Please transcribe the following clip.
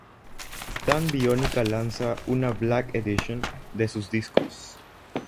Tan Biónica lanza una Black Edition de sus discos.